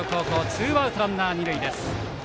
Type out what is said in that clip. ツーアウトランナー、二塁です。